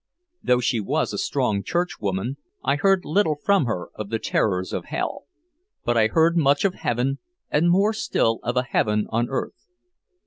Though she was a strong church woman, I heard little from her of the terrors of hell. But I heard much of heaven and more still of a heaven on earth.